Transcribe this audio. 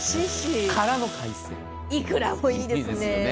いくらもいいですね。